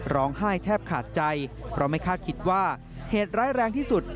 ร้องไห้แทบขาดใจเพราะไม่คาดคิดว่าเหตุร้ายแรงที่สุด